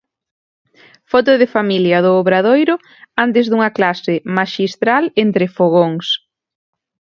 Foto de familia do Obradoiro antes dunha clase maxistral entre fogóns.